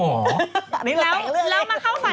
เรามาเข้าฝันไป